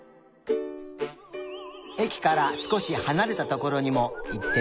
えきからすこしはなれたところにもいってみたよ。